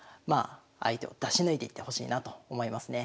相手を出し抜いていってほしいなと思いますね。